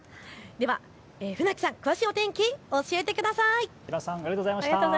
では船木さん、詳しいお天気教えてください。